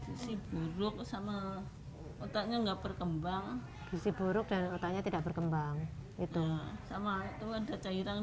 gisi buruk sama otaknya enggak berkembang gizi buruk dan otaknya tidak berkembang itu sama itu ada cairan